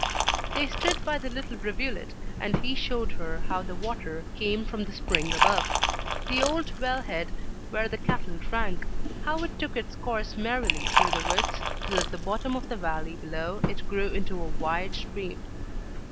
They stood by the little rivulet, and he showed her how the water came from the spring above; the old well head where the cattle drank; how it took its course merrily through the woods, till at the bottom of the valley below it grew into a wide stream.